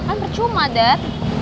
kan percuma dad